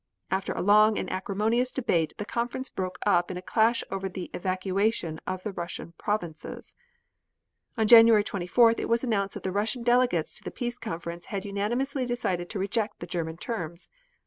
After a long and acrimonious debate the Conference broke up in a clash over the evacuation of the Russian provinces. On January 24th it was announced that the Russian delegates to the peace conference had unanimously decided to reject the German terms.